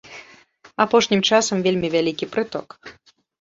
Апошнім часам вельмі вялікі прыток.